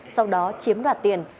sau đó chiếm đoạt tiền